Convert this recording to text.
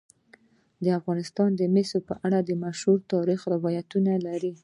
افغانستان د مس په اړه مشهور تاریخی روایتونه لري.